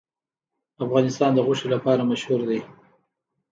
افغانستان د غوښې لپاره مشهور دی.